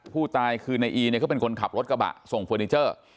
ผู้ตายคือในอีเนี่ยเขาเป็นคนขับรถกระบะส่งเฟอร์นิเจอร์